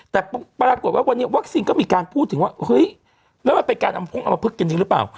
แต่ปรากฏว่าวันนี้วัคซีนก็มีการพูด